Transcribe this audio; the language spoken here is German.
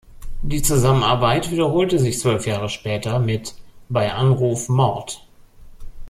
Diese Zusammenarbeit wiederholte sich zwölf Jahre später mit "Bei Anruf Mord".